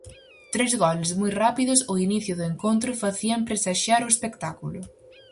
Tres goles moi rápidos ó inicio do encontro facían presaxiar o espectáculo.